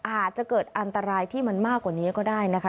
อาจจะเกิดอันตรายที่มันมากกว่านี้ก็ได้นะคะ